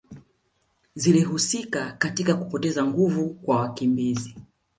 zilihusika katika kupoteza nguvu kwa wakimbizi